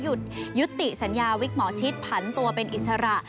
ยุติสัญญาวิกหมอชิดผันตัวเป็นอิสระ